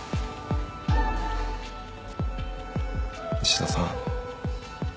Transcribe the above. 石田さん。